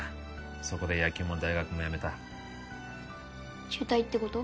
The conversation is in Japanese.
そこで野球も大学もやめた中退ってこと？